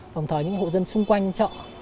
hồng thời những hộ dân xung quanh chợ